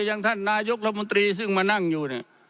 ไปจางท่านนายุครับมนตรีซึ่งมานั่งอยู่